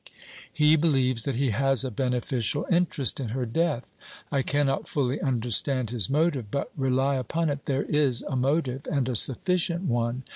"He believes that he has a beneficial interest in her death. I cannot fully understand his motive; but, rely upon it, there is a motive, and a sufficient one.